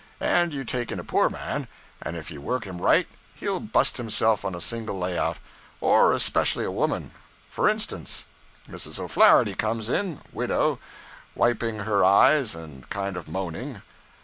And you take in a poor man, and if you work him right he'll bust himself on a single lay out. Or especially a woman. F'r instance: Mrs. O'Flaherty comes in widow wiping her eyes and kind of moaning.